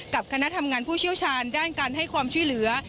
คณะทำงานผู้เชี่ยวชาญด้านการให้ความช่วยเหลือ